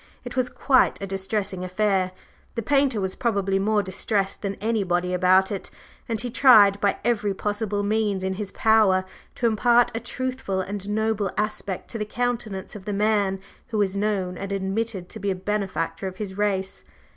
It was quite a distressing affair; the painter was probably more distressed than anybody about it, and he tried by every possible means in his power to impart a truthful and noble aspect to the countenance of the man who was known and admitted to be a benefactor to his race.